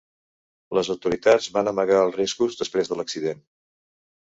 Les autoritats van amagar els riscos després de l"accident.